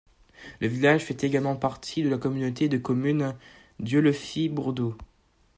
Le village fait également partie de la communauté de communes Dieulefit-Bourdeaux.